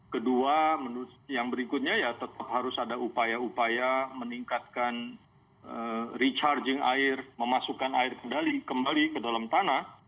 kedua yang berikutnya ya tetap harus ada upaya upaya meningkatkan recharging air memasukkan air kendali kembali ke dalam tanah